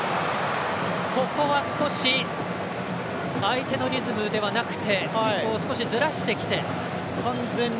ここは少し相手のリズムではなくてテンポをずらしてきて。